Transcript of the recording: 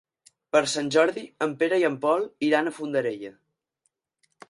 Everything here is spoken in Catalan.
Per Sant Jordi en Pere i en Pol iran a Fondarella.